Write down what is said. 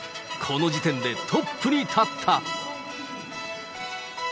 この時点でトップに立った。